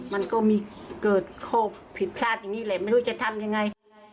มันก็มีเกิดข้อผิดพลาดอย่างนี้แหละไม่รู้จะทำยังไง